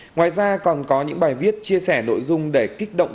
ngoài ra còn có những bài viết chia sẻ nội dung để kích động